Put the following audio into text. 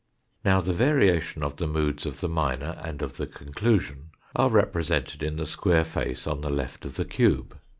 Now the variation of the moods of the minor and of the conclusion are represented in the square face on the left of the cube.